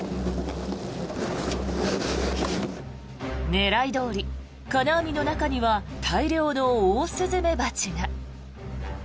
狙いどおり、金網の中には大量のオオスズメバチが。